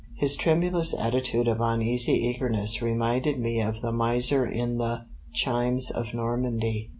His tremulous attitude of uneasy eagerness reminded me of the Miser in the "Chimes of Normandy."